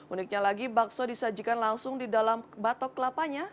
uniknya lagi bakso disajikan langsung di dalam batok kelapanya